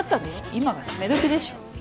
今が攻めどきでしょ